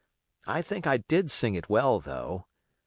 I think I did sing it well, though.